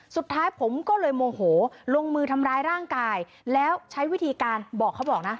สุดท้ายผมก็เลยโมโหลงมือทำร้ายร่างกายแล้วใช้วิธีการบอกเขาบอกนะ